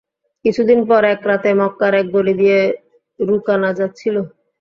কিছু দিন পর এক রাতে মক্কার এক গলি দিয়ে রুকানা যাচ্ছিল।